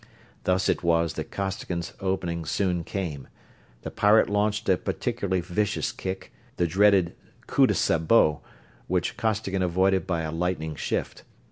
Thus it was that Costigan's opening soon came. The pirate launched a particularly vicious kick, the dreaded "coup de sabot," which Costigan avoided by a lightning shift.